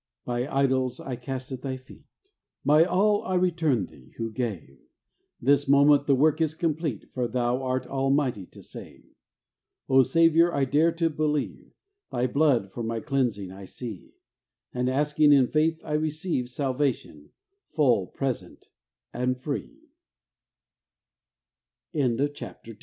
My idols I cast at Thy feet, My all I return Thee who gave ; This moment the work is complete, For Thou art almighty to save. O Saviour, I dare to believe, Thy Blood for my cleansing I see ; And, asking in faith, I receive Salvatio